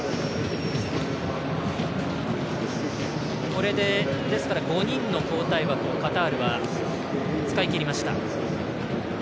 これで５人の交代枠をカタールは使いきりました。